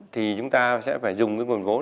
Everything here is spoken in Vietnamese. thì chúng ta sẽ phải dùng cái nguồn vốn